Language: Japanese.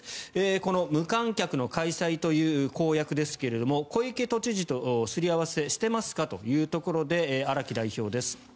この無観客の開催という公約ですけど小池都知事とすり合わせをしてますか？というところで荒木代表です。